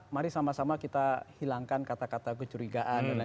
mari sama sama kita hilangkan kata kata kecurigaan